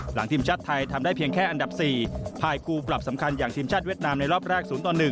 หลังทีมชาติไทยทำได้เพียงแค่อันดับ๔ภายคู่ปรับสำคัญอย่างทีมชาติเวียดนามในรอบแรก๐๑